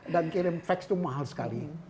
dan kirim fax itu mahal sekali